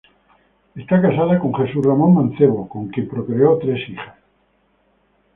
Está casada con Jesús Ramón Mancebo, con quien procreó tres hijas.